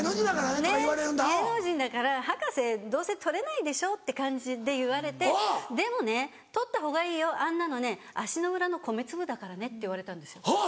「芸能人だから博士どうせ取れないでしょ」って感じで言われて「でもね取ったほうがいいよあんなのね足の裏の米粒だからね」って言われたんですよ。